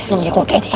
nunggu kecap aja